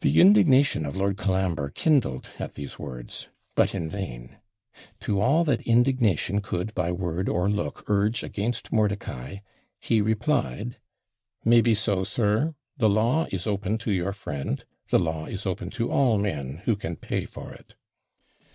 The indignation of Lord Colambre kindled at these words but in vain. To all that indignation could by word or look urge against Mordicai, he replied 'Maybe so, sir; the law is open to your friend the law is open to all men who can pay for it.'